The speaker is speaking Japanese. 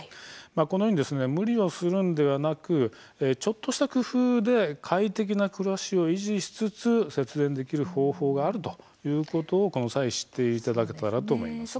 このように無理をするのではなくちょっとした工夫で快適な暮らしを維持しつつ節電できる方法があるということを、この際知っていただけたらと思います。